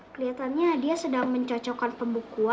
keliatannya dia sedang mencocokkan pembukuan